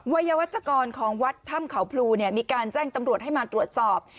วัยวัชกรของวัดถ้ำเขาพลูมีการแจ้งตำรวจให้มาตรวจสอบ